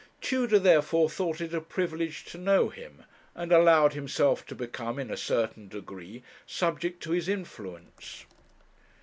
Tudor, therefore, thought it a privilege to know him, and allowed himself to become, in a certain degree, subject to his influence.